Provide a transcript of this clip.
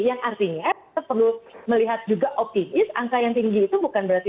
yang artinya kita perlu melihat juga optimis angka yang tinggi itu bukan berarti